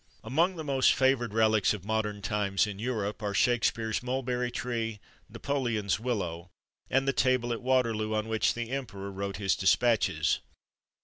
Among the most favourite relics of modern times, in Europe, are Shakspeare's mulberry tree, Napoleon's willow, and the table at Waterloo on which the emperor wrote his despatches.